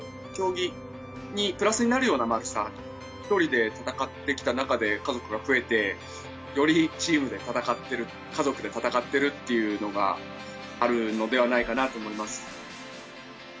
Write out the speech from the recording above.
競技にプラスになるような丸さ、一人で戦ってきた中で、家族が増えて、よりチームで戦ってる、家族で戦ってるというのがあるのではないかなと思います。